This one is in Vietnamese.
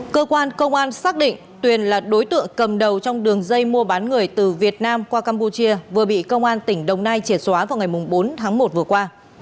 cơ quan công an xác định tuyền là đối tượng cầm đầu trong đường dây mua bán người từ việt nam qua campuchia vừa bị công an tỉnh đồng nai triệt xóa vào ngày bốn tháng một vừa qua